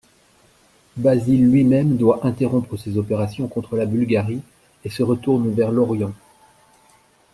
Basile lui-même doit interrompre ses opérations contre la Bulgarie et se retourne vers l'Orient.